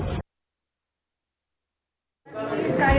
saya mengucapkan terima kasih yang sebesar besarnya